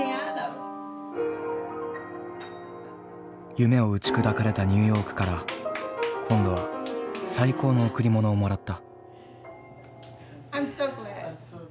夢を打ち砕かれたニューヨークから今度は最高の贈り物をもらった。